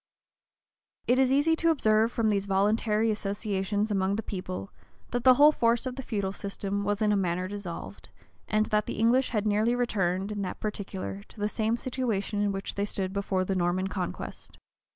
* 13 Richard II. chap. 1 It is easy to observe, from these voluntary associations among the people, that the whole force of the feudal system was in a manner dissolved, and that the English had nearly returned, in that particular, to the same situation in which they stood before the Norman conquest.